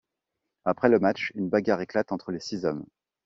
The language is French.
Après le match, une bagarre éclate entre les six hommes.